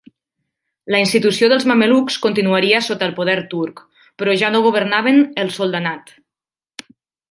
La institució dels mamelucs continuaria sota el poder turc, però ja no governaven el soldanat.